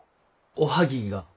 おはぎが。